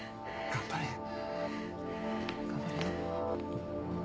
頑張れよ。